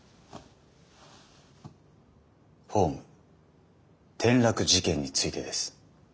ホーム転落事件についてです。